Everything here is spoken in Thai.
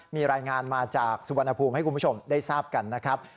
มีรายงานมาจากสุวรรณภูมิให้คุณผู้ชมได้ทราบกันนะครับ